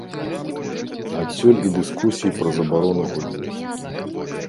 Адсюль і дыскусіі пра забарону гульні.